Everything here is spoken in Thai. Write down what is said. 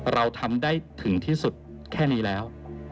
เราทำได้ถึงที่สุดแค่นี้แล้ว